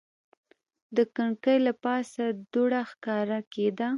د کړکۍ له پاسه دوړه ښکاره کېده.